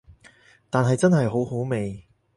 但係真係好好味